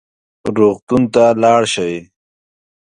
روغتون ته لاړ شئ